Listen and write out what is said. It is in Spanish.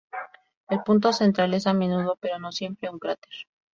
El punto central es a menudo, pero no siempre, un cráter.